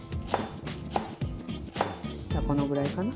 このぐらいかな。